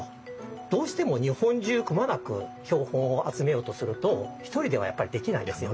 どうしても日本中くまなく標本を集めようとすると１人ではやっぱりできないですよね。